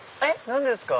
何ですか？